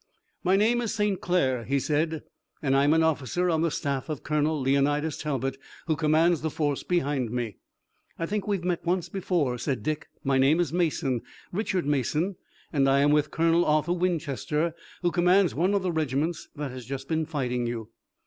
"My name is St. Clair," he said, "and I'm an officer on the staff of Colonel Leonidas Talbot, who commands the force behind me." "I think we've met once before," said Dick. "My name is Mason, Richard Mason, and I am with Colonel Arthur Winchester, who commands one of the regiments that has just been fighting you."